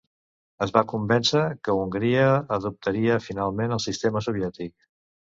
Es va convèncer que Hongria adoptaria finalment un sistema soviètic.